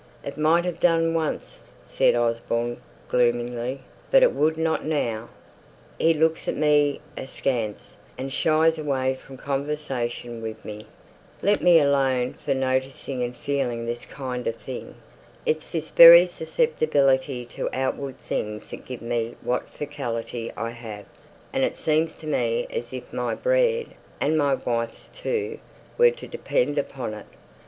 "It might have done once," said Osborne, gloomily, "but it wouldn't now. He looks at me askance, and shies away from conversation with me. Let me alone for noticing and feeling this kind of thing. It's this very susceptibility to outward things that gives me what faculty I have; and it seems to me as if my bread, and my wife's too, were to depend upon it.